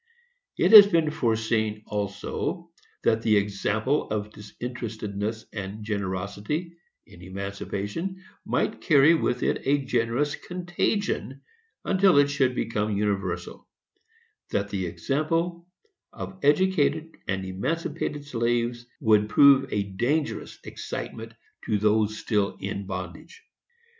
It has been foreseen, also, that the example of disinterestedness and generosity, in emancipation, might carry with it a generous contagion, until it should become universal; that the example of educated and emancipated slaves would prove a dangerous excitement to those still in bondage.